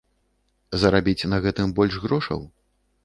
Зарабіць на гэтым больш грошаў?